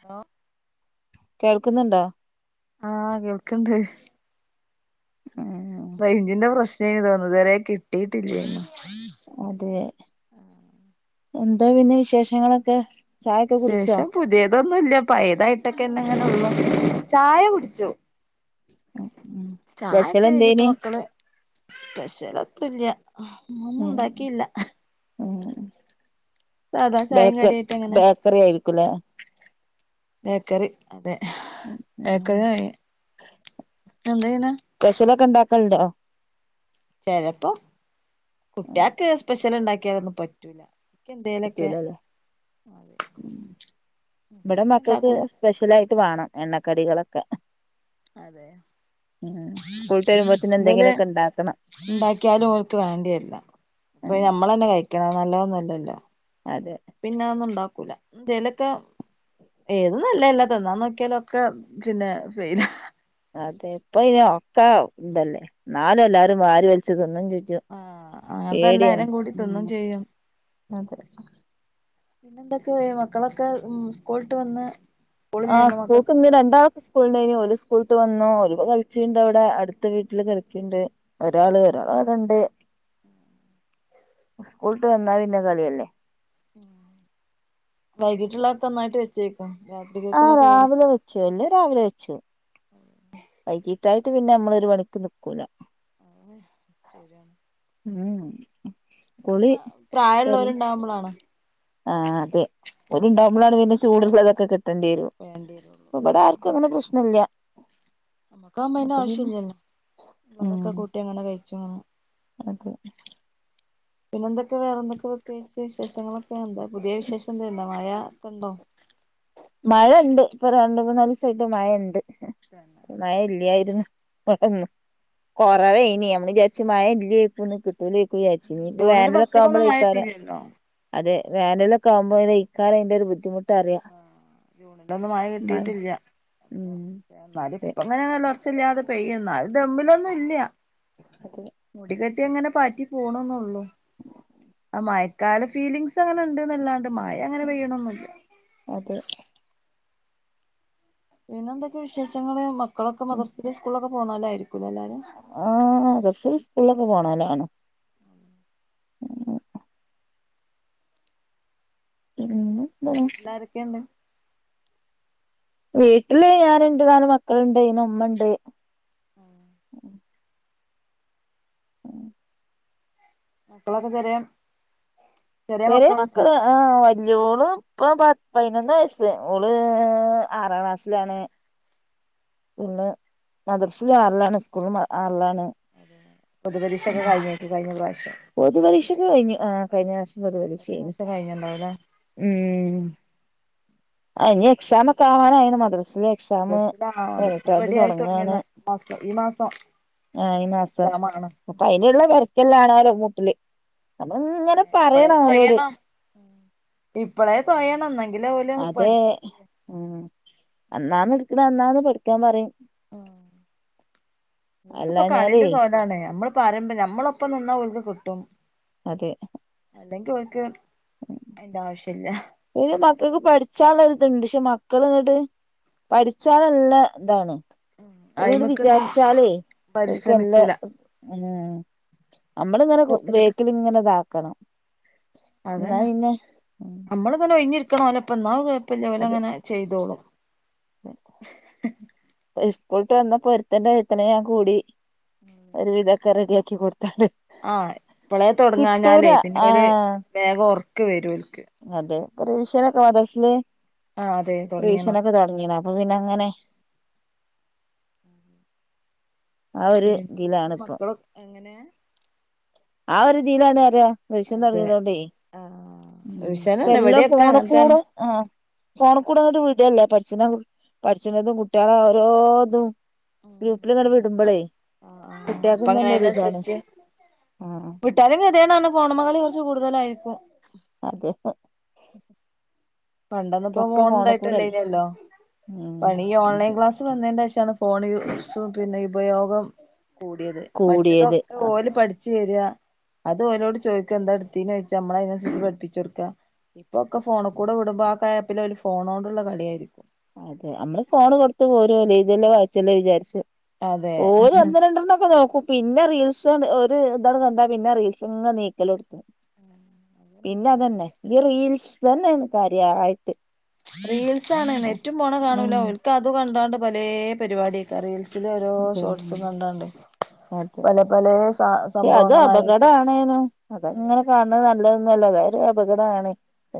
Hello കേൾക്ക്ന്നുണ്ടോ ആഹ് കേൾക്കണ്ട് ആഹ് ഇതിന്റെ പ്രശ്നേന് തോന്നു ഇതുവരേ കിട്ടിയിട്ടില്ല്യേന്ന് അതേ എന്താ പിന്നെ വിശേഷങ്ങളൊക്കെ ചായൊക്കെ കുടിച്ചോ ശേഷം പുതിയതൊന്നും ഇല്ല പയേതായിട്ടൊക്കെ എന്നെ അങ്ങനെ ഒള്ളു ചായ കുടിച്ചു സ്പെഷ്യൽ ചായൊക്കേ ഇട്ട് എന്തേനി മക്കള് സ്പെഷ്യൽ ഒത്തുല്യാ ഇന്ന് ഒന്നും ഉം ഉണ്ടാക്കിയില്ല ഉം സാധാ ചായിം ബേക്കർ കടിയായിട്ട് അങ്ങനെ ബേക്കറി ആയിരിക്കുല്ലേ ബേക്കറി അതെ ബേക്കറി യാങ്ങി പന്തയിന്നെ പെഷ്യലൊക്കെ ണ്ടാക്കൽണ്ടോ ചെലപ്പം കുട്ടിയാക്ക് സ്പെഷ്യൽ ണ്ടാക്കിയാലൊന്നും പറ്റൂല ക്കെന്തേലക്കെ പറ്റൂലല്ലേ [inaudible] ന്ന്ണ്ടാക്കൂല സ്പെഷ്യലായിട്ട് വാണം എണ്ണക്കടികളക്കെ അതെ ഉം സ്കൂൾട്ടരുമ്പോത് ന് ഇവല് എന്തെങ്കിലൊക്കെണ്ടാക്കണം ഉണ്ടാക്കിയാലും ഓര്ക്ക് വേണ്ടിയര്ല്ല ഉം ഇപ്പൊ നമ്മളന്നെ കയിക്കണം നല്ലതൊന്നും അല്ലല്ലോ അതെ പിന്നെ അഒന്നും ണ്ടാക്കൂല ന്തേലൊക്കെ ഏത് നല്ലെല്ല ത് ന്നാൻ നോക്കിയാലൊക്കെ പിന്നെ അതെ ഇപ്പയ്ന് ഒക്കെ ഇതല്ലേ നാലും എല്ലാരും വാരി വൽച്തിന്നും ചെജ്ജു ആഹ് അങ്ങനത്തെ പേടിയാണ് എല്ലാരും കൂടി തിന്നും ഉം ചെയ്യും അത ന്നെന്തൊക്കെ മക്കളൊക്കെ ഉം സ്കൂളിട്ട് വന്ന് സ്കൂളിൽ ആഹ് ചെയ്യുന്ന പൂക്ക് ന്ന് മക്കൾക്കൊക്കെ രണ്ടാ സ്കൂള്ണ്ടേഞ് ഓര് സ്കൂള്ട്ട് വന്നാ ല് കളിച്ചിണ്ടവിടെ അടുത്ത വീട്ടില് കളിക്ണ്ട് ഒരാള് ഒരാളടണ്ട് ഉം [inaudible] കൂൾട്ട് വന്ന പിന്നെ കളിയല്ലേ വൈകിട്ട്ള്ളക്കെന്നായിട്ട് വെച്ചേ രാത്രി ആഹ് രാവിലെ വെ ച്ചല്ല് രാവിലെ വെച്ചോ വൈകീട്ടായിട്ട് പിന്നെ മ്മൾ ഒരു വണിക്ക് നിക്കൂല ഏഹ് ശരിയാണ് ഉം കുളി പ പ്രായമുള്ളവരുണ്ടാവുമ്പോളാണ് ആഹ് അതെ ഒല്ണ്ടാവുമ്പോളാണ് പിന്നെ ചൂട്ള്ളതൊക്കെ കിട്ടണ്ടിരു വേണ്ടിവരുള്ളൂ ഇവിടെ ആര് അങ്ങനെ പ്രശ്നല്ല മക്ക് അമ്മന്റെ അപ്പൊ പിന്നെ ആവശ്യംല്ലല്ലോ ഉം ഉള്ളതൊക്കെ കൂട്ടി അങ്ങനെ കഴിച്ചുങ്ങനെ അതെ പിന്നെ എന്തൊ പ വേറെ എന്തൊക്കെ പ്രത്യേകിച്ച് വിശേഷങ്ങളൊക്കെ എന്താ പുതിയ വിശേഷന്തേണ്ടോ മഴക്കണ്ടോ മഴണ്ട് ഇപ്പൊ രണ്ട് മൂന്നാല്സായിട്ട് മഴണ്ട് തന്നെ മഴ ഇല്ലായിരുന്നു [unintelligible] കൊറവേനി നമ്മള്ജാര്ച്ച് മയല്ലേര്ക് യ്യുലേകുജാര്ചു ഇപ്പ ജൂണില് വേനലൊക്കെ ഫസ്റ്റ്ക്കൊന്നും മഴ ആവുമ്പളെയ്ക്കാര കിട്ടിയില്ലല്ലോ അതെ വേനലക്കെ ആകുമ്പോ ഇക്കാലം അയ്ന്റെ ഒരു ബദ്ധിമുട്ട്റിയാ ജൂണിന്റെ ഒന്നും മഴ കിട്ടിട്ടില്ല അപ്പൊ ഉം അതെ ന്നാല്പ്പങ്ങനെന്നും ഒറച്ചല്ലാതെ പെയ്യ എന്നാല് ദമ്മിലൊന്നുല്ല അതെ മുടികെട്ടി എങ്ങനെ പാറ്റി പോണന്നള്ളു ആ മയ് കാല ഫീലിങ്സ് അങ്ങനെണ്ട്ന്ന്ല്ലാണ്ട് മായ അങ്ങനെ പെയ്യണോന്നില്ല അതെ പിന്നെ എന്തൊക്കെ വിശേഷങ്ങള് മക്കളൊക്കെ മദർസെ സ്കൂളൊക്കെ പോന്നോലാര്കുലെ എല്ലാരും ആഹ് ബസ്സിൽ സ്കൂളിലൊക്കെ പോണാലാണോ വീട്ടിലാരൊക്കെണ്ട് വീട്ടില് ഞാനുണ്ട് നാല് മക്കളുണ്ട് ഇന മ്മണ്ട് ആഹ് മക്കളൊക്കെ ചെറിയ ചെറിയ ചെര്യേ മക്കളുണ്ടോ മക്കള് ആഹ് വല്യോള് ഇപ്പ പയിനൊന്ന് വയസ്സ് ഓള് ആറാം ക്ലാസ്സിലാണ് ഓള് മദ്രസിലും ആർലാണ് സ്കൂളിലും ആർലാണ് പൊതുപരീക്ഷക്കെ കഴിഞ്ഞു കഴിഞ്ഞ പ്രാവശ്യം പൊതു പരീക്ഷക്കെ കഴിഞ്ഞ് ആഹ് കഴിഞ്ഞ പ്രാവശ്യം കഴിഞ്ഞ പൊതുപരീക്ഷേന് പ്രാവശ്യം കഴിഞ്ഞുണ്ടാവുംല്ലേ ഉം അ ഇഞി എക്സാമൊക്ക ആവാനായിന്നു മദ്രസ്സിലെ മദർസില് ആഹ് മദർസില് ഇവ്ടി ആയി തൊടങ്ങീന്നു ഈ മാസൊം ആഹ് ഈ മാസം അപ്പൊ അയിന്ള്ള വെരക്കെല്ല ആണോലൊ കൂട്ട്ല് അതെ നമ്മള്ങ്ങനെ ഇപ്പളേ പറയ്ണോലോട് തൊഴയണം ഇപ്പളേ തൊയേണം അതേ ഉം അന്നാന്ന് ഇട്ക്ക്ണെ അന്നാന്ന് പഠിക്കാ പറയിം ക്കിപ്പ അല്ലാഞ്ഞാലേ കളിന്റെ സ്വാദാണെ നമ്മള് പറയുമ്പൊ ഞമ്മളൊപ്പം നിന്നാ ഓൽക് കിട്ടും അതെ അല്ലെങ്കി ഓർക്ക് അയിന്റെ ആവശ്യല്ല മക്കക്ക് പഠിച്ചാള്ളൊര്ത്ണ്ട് പക്ഷെ മക്കള് ഇങ്ങ്ട്ട് പഠിച്ചാന് നല്ല ഇതാണ് ഓല്ങ്ങ്ട് അയിമക്ക്ണ്ട് വിചാരിച്ചാലെ ഓല്ക്ക് നല്ല പരിശ്രമിക്കൂല ഉം നമ്മള് ഇങ്ങന പൊറത്ത്ക്ക്ട്ട് ബേക്കില് ഇങ്ങന ഇതാക്കണം എന്നാ അതെന്നെ പിന്നെ ഉം നമ്മള് ഒഴിഞ്ഞിരിക്ക്ണോലപ്പം ഇന്നാ കൊഴപ്പല്ല ഓല അങ്ങനെ ചെയ്തോളും സ്കൂള്ട്ട് വന്നപൊ ഒരുത്തന്റെ വയത്തിനെ ഞാൻ കൂടി ഒരുവിതക്കെ റെഡിയാക്കി കൊട്ത്തോണ്ട് ആഹ് ഇപ്പളേ തൊടങ്ങാഞ്ഞാലെ പിന്നെ ഓല് ആഹ് വേഗം ഒറ്ക്ക് വരും ഓൽക്ക് അതെ റിവിഷനൊക്ക മദർസില് ആഹ് അതെ തൊടങ്ങീണോ റിവിഷനൊക്ക തൊട്ങ്ങീണ് അപ്പൊ പിന്നെ ഇങ്ങനെ ഉം ഉ ആഹ് ഒര് ഇതിലാണ് ഇപ്പൊ എങ്ങനേ ആഹാ ഒര് ഇതിലാണ് അറയ റിവിഷം അതെ തൊട്ങ്ങീതോണ്ടേ ആഹ് ഉം ഇപ്പ ട്യൂഷനെന്നെ എല്ലൊം ഇവടെയൊക്കെ ഫോണി കൂടെ അങ്ങൻത്തെന്നെ ആഹ് ഫോണി കൂട അങ്ങ്ട്ട് വിടല്ലെ പഠ്ച്ച്ണ പഠിച്ച്ണതും കുട്ടീള ഓരോതും ഉം ഗ്രൂപ്പില്ങ്ങന അതന്നെ വിടുമ്പളെ ആഹ് ആഹ് കുട്ടീക്കും ഇപ്പങ്ങനെ തന്നെ ഒര് ഇതാണ് അയ്നൻസരിച്ച് ആഹ് വിട്ടാലും കത്യേടാണ് ഫോണ്മ്മകളി കൊറ്ച്ച് കൂടുതലായപ്പൊ അതെപ്പൊ അതെ പണ്ടന്നിപ്പൊ ഇപ്പൊക്കെ ഫോണ് കൂടല്ലേ ഇണ്ടായ്ട്ടല്ലേനലൊ ഉം പണി ഈ അതെ ഓൺലൈൻ ക്ലാസ് വന്നീന്റേഷാണ് ഫോൺ യൂസും പിന്ന ഉപയോഗം കൂടിയേത് കൂടിയത് മറ്റതൊക്കെ ഓല് പഠിച്ച് വര അത് ഓലോട് ചോയിക്ക എന്താ ഇട്ത്തീനെ ചോദിച്ചാ നമ്മള അതിനൻസരിച്ച് പഠിപ്പിച്ചൊട്ക്ക ഇപ്പൊക്ക ഫോണ് കുട വിടുമ്പൊ ആഹ് ക്യാപ്പിലോല് ഫോണോണ്ട്ള്ള കളിയായിരിക്കും അതെ നമ്മള് ഫോണ് കൊടുത്ത് പോരു എഴ്തല്ലെ വായിച്ചല്ലെ വിചാരിച്ച് അതെ ഓല് ഒന്ന് രണ്ടണ്ണൊക്ക നോക്കും പിന്ന റീൽസ് ഒര് ഇതണ് കണ്ടാ പിന്നെ റീൽസ്ങ് നീക്കലൊട്ത്തു അതന്നെ പിന്ന അതന്നെ ഓൽക്ക് ഈ റീൽസ് തന്നേണ് കാര്യായിട്ട് റീൽസാണ് നെറ്റും പോണ കാണൂല ഉം ഓൽക്ക് അത് കണ്ടാണ്ട് പലേ പരിപാടി റീൽസില് ഓരോ അതെ ഷോർട്സും കണ്ടാണ്ട് അതെ പല പലേ സ അത് അപകട സംഭവങ്ങളായിരിക്കും ആണേനോ അതങ്ങനെ അതാണ് കാണ നല്ലതന്നല്ല അത ഒരു അപകടമാണ്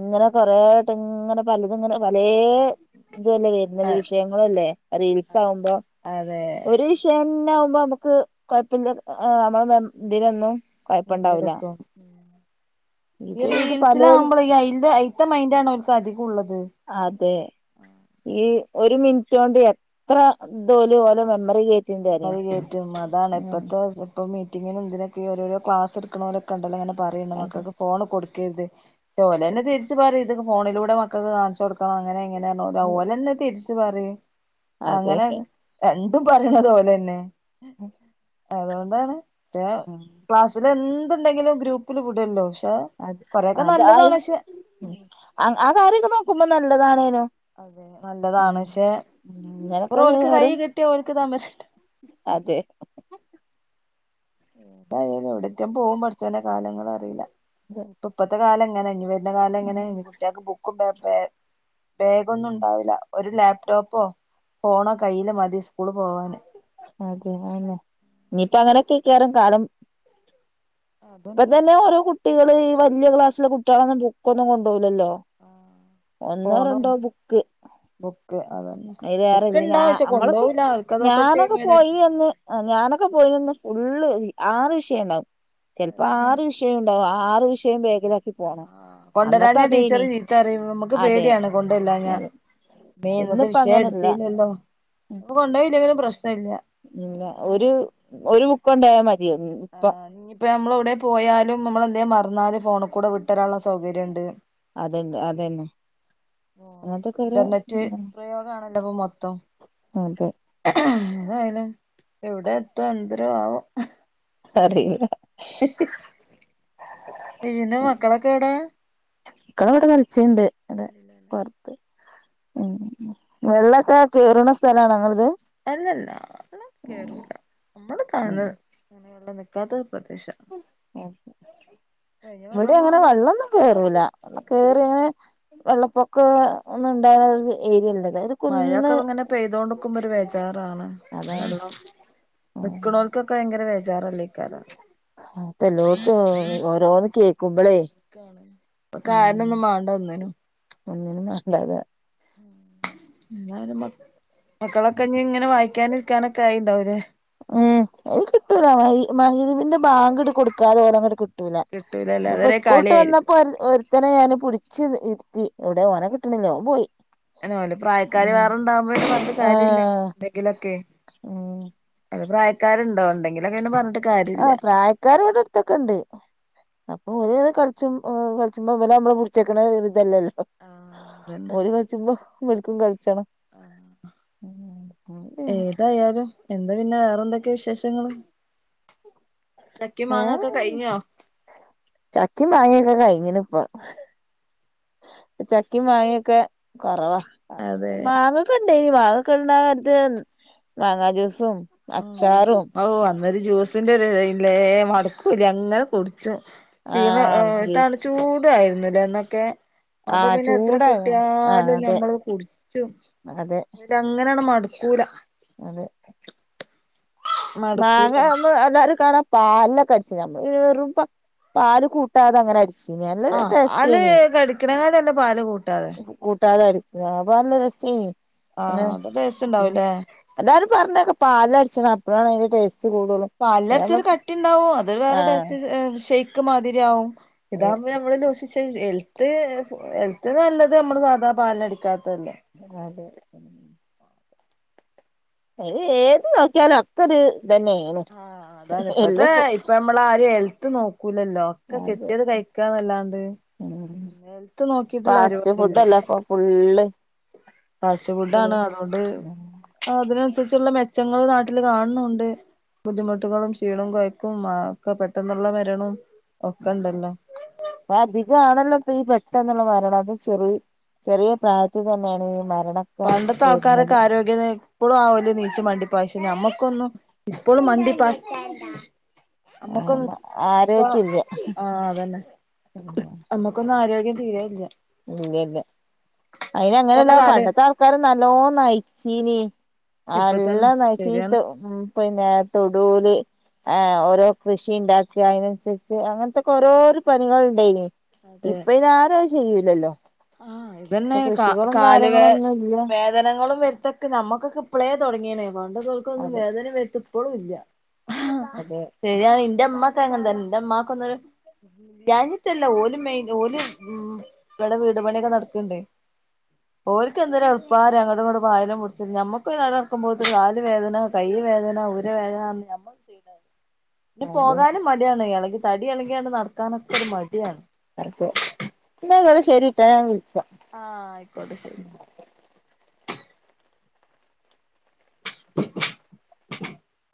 ഇങ്ങനെ കൊറേ ആയിട്ട് ഇങ്ങനെ പലതങ്ങനെ പലേ ഇതലെ വരുന്നത് വിഷയങ്ങളല്ലേ റീൽസ് ആവുമ്പോ അതെ ഒരു ചെന്നെ ആകുമ്പോ നമ്മുക്ക് കൊഴപ്പില്ല നമ്മള് ഇതിലന്നു ഇത് ഈ ഇത് റീൽസില പലേത് ആകുമ്പോള അയ്ന്റെ [unintelligible] മൈൻഡ് ആണോ ഓൽക്ക് അധികോ ഉള്ളത് അതെ ഈ ഒരു മിനിറ്റ് കൊണ്ട് എത്ര ഇതോല് ഓലെ മെമ്മറിലേക് അംപത്കേറ്റും അതാണ് ഇപ്പത്തെ ഇപ്പ മീറ്റിങ്ങിന് ഇതിനൊക്കെ ഓരോരോ ക്ലാസ് എടുക്കുണോലൊ ണ്ടല്ലോ അങ്ങനെ പറയണ്ട് അതെ മക്കൾക്ക് ഫോണ് കൊടുക്കരുത് ട്ടോലെന്നെ തിരിച്ച് പറയ് ണ്ട് ഫോണിലൂടെ മക്കക്ക് കാണിച്ചു കൊടുക്കണോ അങ്ങനെ ഇങ്ങനെ ഓലന്നെ തിരിച്ച് പറയും അതെ അങ്ങനെ രണ്ടും പറ യണതോലെന്നെ. അതുകൊണ്ടാണ് തേ ഉം ക്ലാസ്സില് എന്ത് ഇണ്ടെങ്കിലും ഗ്രൂപ്പില് വിടല്ലോ ഷാ അത് അതാ ആയി ഉം ആ ആ കാര്യൊക്കെ നോക്കുമ്പോ നല്ലതാണേനോ അതെ നല്ലതാണ് പക്ഷെ ഇങ്ങനൊക്കെ ഇങ്ങേപെറോ ഓൽക്ക് കേറും കൈയ്യിൽ കെട്ടിയാ ഓൽക്ക് തമര അതെ എവിടായാലും എവിടറ്റം പോകും പടച്ചോനെ കാലങ്ങൾ അറിയില്ല. ഇപ്പം ഇപ്പത്തെ കാലം ഇങ്ങനെ എനി വരു ന്ന കാലം എങ്ങനെ ഇനി കുട്ട്യാക്ക് ബുക്കും പേപ് പേ ബേഗൊന്നും ഉണ്ടാവില്ല ഒരു ലാപ്ടോപ്പോ ഫോണോ കയ്യില് മതി സ്കൂള് പോവാന് അതെ അതെന്നെ. ഇനിയിപ്പ അങ്ങനെയേക്കാരം കാലം അതന്നെ ഇപ്പതന്നെ ഓരോ കുട്ടികള് ഈ വല്ല്യ ക്ലാസ്സില കുട്ടികളൊന്നും ബുക്കൊന്നും കൊണ്ടുപോകില്ലല്ലോ ഒന്നോ രണ്ടോ ബുക്ക് ബുക്ക്‌ അതന്നെ അയിൽ ബുക്ക് വേറെല്ല ഞ ഇണ്ടാവും പക്ഷെ നമ്മളൊക്കെ കൊണ്ടോവൂല ഓൽക്കതൊക്കെ ഒരു ഞാനൊക്കെ ഷെയ്മേടാ പോയി എന്ന് ആഹ് ഞാനൊക്കെ പോയിന്ന് ഫുള്ള് ആറ് വിഷയം ഇണ്ടാാവും ചിലപ്പോ അതെ ആറ് വിഷ് യാറ്റണ്ടാവും ആറു വിഷയം ബാഗിലാ ആഹ് കൊണ്ടരാഞ്ഞാ ടീച്ചറ് ചീത്തറിയും നമ്മുക്ക് അതെ പേടിയാണ് കൊണ്ടല്ലാഞാ അതെ മേ ഇന്നത്തെ ഇന്നിപ്പോ വിഷയം അങ്ങനല്ല എടുത്തീല്ലല്ലോ ഇപ്പൊ കൊണ്ടോയില്ലെങ്കിലും പ്രശ്നം ഇല്ല ഇല്ല ഒരു ഒരു ബുക്ക് കൊണ്ടൊയാ മത് ആഹ് ഇഞ്ഞിപ്പോ നമ്മൾ ഇവിടെ പോയാലും നമ്മളെന്തേ മറന്നാലും ഫോണ്‌കൂടെ വിട്ടരാനുള്ള സൗകര്യം ഉണ്ട് അതുണ്ട്‌ അതെന്നെ ഓ ഇന്റർനെറ്റ് പ്രയോഗ ആണല്ലോപ്പൊ മൊത്തം അതെ എതായാലും എവിടെ എത്തും അന്തരമാവും അറിയൂല എ ഈന്നെ മക്കളൊക്കെ എവിടെ മക്കളവിടെ കളിച്ചീണ്ട് ഇങ്ങനെ വർ ഉം വെള്ളൊക്കെ കേറ്ണ സ്ഥലാണോ നിങ്ങളെദ്? അല്ലല്ല അല്ല കേയറൂല്ല നമ്മള് കാണുന്നത് ഇങ്ങനെ വെള്ളം നിക്കാത്ത പ്രദേശം ഓകെ ഇവിടെ അങ്ങനെ വെള്ളൊന്നും കേയറൂല വെള്ളം കേറി അങ്ങനെ വെള്ളപ്പൊക്കോ ഒന്നും ഉണ്ടാകർജി ഏരിയല്ല അതായത് മഴയൊക്കെ ഇങ്ങനെ പെയ്തോണ്ടിക്കുമ്പോ ഒരു വേചാറാണ് അതാണ് വെള്ളം ഉം നിക്ക്ണോൽക്കൊക്കെ ഭയങ്കര വബേചാറല്ലേക്കാരം ഇപ്പൊ എല്ലോട്ത്തും ഓരോന്ന് കേക് ഇപ്പൊ കാര്ണൊന്നും മാണ്ട ഒന്നിനും ഒന്നിനും വേണ്ടാതെ എന്ന മ മക്കളൊക്കെ ഇഞ് ഇങ്ങനെ വായിക്കാന് ക്കാനൊക്കെ ആയിണ്ടാവും ലേ ഉം ഓൽ കിട്ടൂല മ മഹിരിവിന്റെ ബാങ്കിട് കൊടുക്കാ ഓലങ്ങട് കിട് ട്ടൂല. കിട്ടൂലല്ലേ ഇന്നിപ്പോ അതുവരെ സ്കൂൾട്ട് കളിയായിരിക്കും വന്നപ്പോ ഒര് ഒര് ത്തനെ ഞാന് പിടിച്ച് ഇരുത്തി ഇവിടെ ഓന കിട്ടണില്ല ഓൻ പോയി അല്ല ഓലെ പ്രായക്കാര് ഉം വേറെണ്ടാവുമ്പോഴ് പറഞ്ഞിട്ട് കാര്യല്ല ആഹ് എന്തെങ്കിലൊക്കെ ഉം അവന്റെ പ്രായക്കാരുണ്ടോ ഉണ്ടെങ്കില് അങ്ങനെ പറഞ്ഞിട്ട് കാര്യല്ല ആഹ് പ്രായക്കാര് ഇവടെ അടുത്തൊക്കെ ഇണ്ട് അപ്പോ ഓരത് കളിച്ചും കളിച്ചുമ്പ പോലെ നമ്മള് മുറിച്ചേക്കണ ഇതല്ലല്ലോ ആഹ് അതന്നെ ഓര് കയിച്ചുമ്പോ ഇവര്ക്കും കയിച്ചണം ആഹ് ഏതായാലും എന്താ പിന്നെ വേറെന്തൊക്കെ വിശേഷങ്ങള് ചക്കി മാങ്ങക്കെ കഴിഞ്ഞോ ചക്കേം മാങ്ങൊക്കെ കഴിഞ്ഞിണ് ഇപ്പോ ചക്കിം മാങ്ങൊക്കെ കൊറവാ അതെ മാങ്ങക്കെ ഇണ്ടേനി മാങ്ങൊക്കെ ഇണ്ട അത് മാങ്ങാ ജ്യൂസും അച്ചാറും ഓഹ് അന്നൊരു ജ്യൂസിന്റെ ഇല്ലേ മടക്കൂല അങ്ങനെ കുടിച്ചും ആഹ് ജ്യൂസ് [unintelligible] ചൂടാരുന്നല്ലേ അന്നൊക്കെ അപ്പോ ആഹ് പിന്നെ എത്ര ചൂടായിരുന്നു ആഹ് കിട്ടിയാലും അതെ ഞമ്മള്ത് കുടിച്ചും അതെ അങ്ങനങ്ങട്ട് മടുക്കൂലാ അതെ മടുക്കൂല മാങ്ങ [unintelligible] എല്ലാരും കാണാം പാലിലൊക്കെ അടിച്ച് ഞമ്മള് വെറും പ പാല് കൂട്ടാതെ അങ്ങനെ അടിച്ച് ആഹ് പാല് കടിക്കണങ്ങാട്ന്നെ പാല് കൂട് കൂട്ടാതെ അടി ആഹ് അപ്പാന്നെ രസി അങ്ങനെ ആഹ് അത് ടേസ്റ്റ് [unintelligible] ഉണ്ടാവൂലേ എല്ലാരും പറഞ്ഞ് കേക്കാ പാലില് അടിച്ചണം അപ്പോഴാണ് അയിന്റെ ടേസ്റ്റ് കൂടുള്ളൂ പാലിലടിച്ചാ ഒരു അതാവുമ്പോ കട്ടിണ്ടാവും അതൊരു വേറെ ആഹ് ടെസ്റ്റ്‌ ഏഹ് ഷെയ്ക്ക് മാതിരിയാവും അതെ ഇതാമ്പോ ഞമ്മള് ലൂസിച്ച് [unintelligible] അത് ഹെൽത്ത് നല്ലത് നമ്മള് സാധാ പാൽല് അടിക്കാത്തതല്ലേ അതെ അതെ [inaudible] അത് ഏത് നോക്കിയാലും ഒക്കെരു ഇതന്നെണ് ആഹ് അതാണ് ഇപ്പത്തെ എല്ലപ്പോ ഇപ്പ നമ്മള് ആരും ഹെൽത്ത് നോക്കൂലല്ലോ ഒക്കെ അതെ കെട്ടിയത് കഴിക്കാന്നല്ലാണ്ട് ഉം ഹെൽത്ത് നോക്കിട്ട്ള്ള ഫാസ്റ്റ് പരിപാടില്ല ഫുഡല്ല ഇപ്പൊ ഫുള്ള് ഫാസ്റ്റ് ഫുഡാണ് ഫുള്ള് അതുകൊണ്ട് അതിനനുസരിച്ചുള്ള മെച്ചങ്ങള് നാട്ടില് കാണുണുണ്ട് ബുദ്ധിമുട്ടുകളും ക്ഷീണോം കൊയക്കും ആഹ് ഒക്കെ പെട്ടെന്നുള്ള മരണോം ഒക്കെണ്ടല്ലോ ഇപ്പ അധികാണല്ലോ ഇപ്പ ഈ പെട്ടെന്നുള്ള മരണം അത് ചെറി ചെറിയ പ്രായത് ത്ത് തന്നെണ് ഈ മരണൊക്കെ വര്ണത് [unintelligible] ഇപ്പോളും ആവൊല്നീച്ച് മണ്ടിപാശ് ഞമ്മക്കൊന്നു ഇപ്പോളും മണ്ടിപ്പാശ് ആഹ് അമ്മക്കൊന്നും ഇപ്പ ആരോഗ്യല്ല ആഹ് അതന്നെ നമ്മക്കൊന്നും ആരോഗ്യം തീരെയില്യ ഇല്യല്ല അയിന് അങ്ങനെല്ല തന്നെ കാല് പണ്ടത്തെ ആൾക്കാര് നല്ലോ നയ്ച്ചീനി ഇപ്പ തന്നെ അല്ലാം ശരിയാണ് നയ്ച്ചിത്ത് ഉം പിന്നെ തൊടുല് ആഹ് ഓരോ കൃഷി ഇണ്ടാക്ക്ക അയ്നനുസരിച്ച് അങ്ങനത്തൊക്കെ ഓരോര് പണികൾണ്ടായിന് അതെ ഇപ്പയ്ന് ആരോ ചെയ്യുല്ലല്ലോ ആഹ് ഇതന്നെ കാ കാല് വേ ഒന്നും ഇല്ല വേദ് തനങ്ങളും വരുത്തൊക്കെ നമ്മുക്കൊക്കെ ഇപ്പോളേ തൊടങ്ങിയനെ പണ്ടൊത്തോൾക്കൊന്നും അതെ വേതനേം വരുത്തും ഇപ്പോളും ഇല്ല അതെ ശെരിയാണ് ഇന്റെ മ്മാക്ക് അങ്ങനെന്തന്നെ എന്റെ മ്മാക്കൊന്നൊരു ഞാഞ്ഞിട്ടല്ല ഓല് മെയി ഓല് ഉം ഇവടെ വീട് പണിയൊക്കെ നടക്ക്ണ്ടേ ഓല്ക്ക് എന്തൊരെൾപ്പാ രാ അങ്ങോട്ടു ഇങ്ങോട്ടു പായലും പിടിച്ച് നമ്മക്ക് നക്കുമ്പോത് കാല് വേദന കൈ വേദന ഊര വേദന ന്ന് ഞമ്മക്ക് പിന്നെ അതെ പോകാനും മടിയാണെ എളകി തടി എളകിയാണ്ട് നടക്കാനൊക്കെ ഒരു മടിയാണ് [unintelligible] എന്നാ ങ്ങള് ശെരിട്ടോ ഞാൻ വിളിക്കാം. ആഹ് അയ്ക്കോട്ടെ ശരി